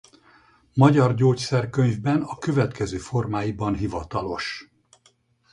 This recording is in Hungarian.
Magyar Gyógyszerkönyvben a következő formáiban hivatalos.